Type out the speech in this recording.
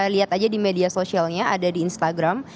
lihat aja di media sosialnya ada di instagram